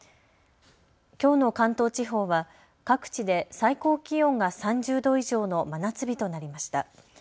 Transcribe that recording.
きょうの関東地方は各地で最高気温が３０度以上の真夏日となりました。